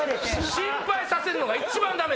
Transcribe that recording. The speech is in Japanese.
心配させるのが一番ダメ。